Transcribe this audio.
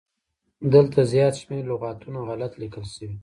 دلته زيات شمېر لغاتونه غلت ليکل شوي